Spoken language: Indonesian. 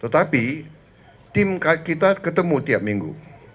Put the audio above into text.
tetapi tim kita ketemu tiap minggu